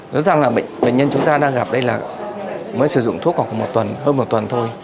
rất rằng là bệnh nhân chúng ta đang gặp đây là mới sử dụng thuốc khoảng hơn một tuần